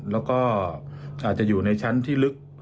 แล้วก็อาจจะอยู่ในชั้นที่ลึก